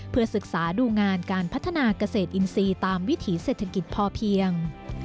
เพื่อศึกษาดูงานการพัฒนาเกษตรอินทรีย์ตามวิถีเศรษฐกิจพอเพียง